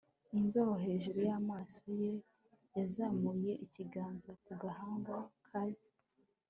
imbeho hejuru y'amaso ye, yazamuye ikiganza ku gahanga. kai